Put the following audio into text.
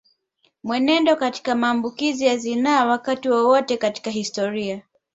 Mwenendo katika maambukizi ya zinaa Wakati wowote katika historia